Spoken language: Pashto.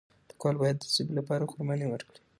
لیکوال باید د ژبې لپاره قرباني ورکړي.